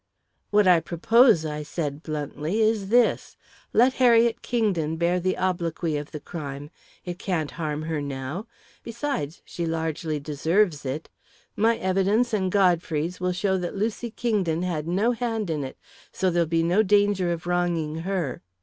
"What I propose," I said bluntly, "is this. Let Harriet Kingdon bear the obloquy of the crime it can't harm her now besides, she largely deserves it. My evidence and Godfrey's will show that Lucy Kingdon had no hand in it, so there'll be no danger of wronging her.